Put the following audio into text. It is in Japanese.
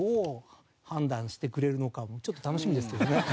ちょっと楽しみですけどね。